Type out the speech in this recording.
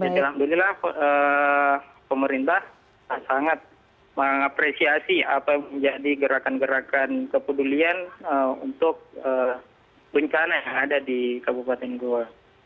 alhamdulillah pemerintah sangat mengapresiasi apa yang menjadi gerakan gerakan kepedulian untuk bencana yang ada di kabupaten goa